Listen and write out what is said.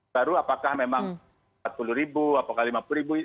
baru apakah memang empat puluh ribu apakah lima puluh ribu